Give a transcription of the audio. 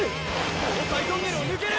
防災トンネルを抜ける！